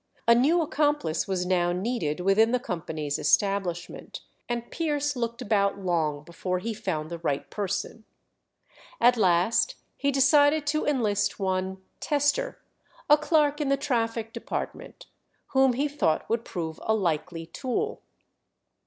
A new accomplice was now needed within the company's establishment, and Pierce looked about long before he found the right person. At last he decided to enlist one Tester, a clerk in the traffic department, whom he thought would prove a likely tool.